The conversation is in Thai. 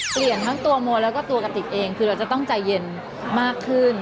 เปลี่ยนทั้งตัวโมแล้วก็ตัวกระติกเองคือเราจะต้องใจเย็นมากขึ้น